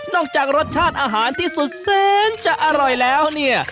จากรสชาติอาหารที่สุดแสนจะอร่อยแล้วเนี่ย